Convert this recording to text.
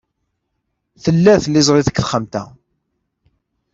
Tella tliẓri deg texxamt-a.